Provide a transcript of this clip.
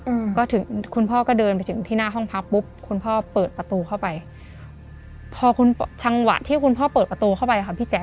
อืมก็ถึงคุณพ่อก็เดินไปถึงที่หน้าห้องพักปุ๊บคุณพ่อเปิดประตูเข้าไปพอคุณจังหวะที่คุณพ่อเปิดประตูเข้าไปค่ะพี่แจ